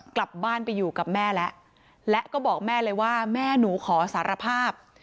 กลับบ้านไปอยู่กับแม่แล้วและก็บอกแม่เลยว่าแม่หนูขอสารภาพ